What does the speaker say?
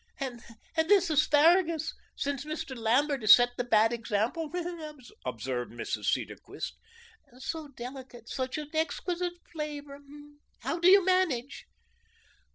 "And this asparagus since Mr. Lambert has set the bad example," observed Mrs. Cedarquist, "so delicate, such an exquisite flavour. How do you manage?"